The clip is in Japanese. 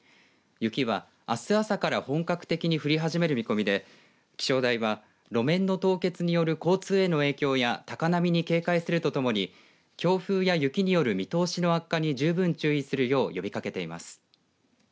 雪はあす朝から本格的に降り始める見込みで気象台は路面の凍結による交通への影響や高波に警戒するとともに強風や雪による見通しの悪化に十分注意するよう呼びかけています。